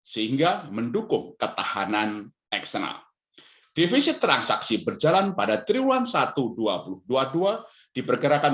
sehingga mendukung ketahanan eksternal defisit transaksi berjalan pada triwulan satu dua ribu dua puluh dua diperkirakan